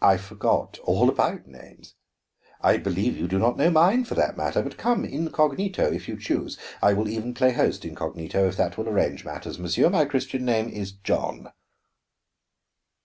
"I forgot all about names; I believe you do not know mine, for that matter. But come incognito, if you choose. I will even play host incognito, if that will arrange matters. Monsieur, my Christian name is John."